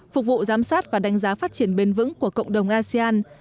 phục vụ giám sát và đánh giá phát triển bền vững của cộng đồng asean